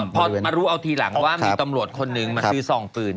พอมารู้เอาทีหลังว่ามีตำรวจคนนึงมาซื้อซองปืน